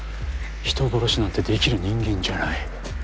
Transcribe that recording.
人殺しなんてできる人間じゃない。